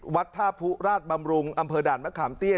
วัดท่าผู้ราชบำรุงอำเภอด่านมะขามเตี้ย